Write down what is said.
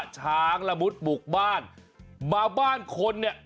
ช้างละมุดบุกบ้านมาบ้านคนเนี่ย